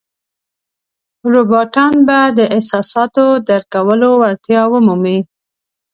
روباټان به د احساساتو درک کولو وړتیا ومومي.